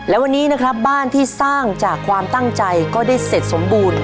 และวันนี้นะครับบ้านที่สร้างจากความตั้งใจก็ได้เสร็จสมบูรณ์